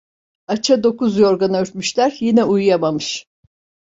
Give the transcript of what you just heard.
Aça dokuz yorgan örtmüşler, yine uyuyamamış.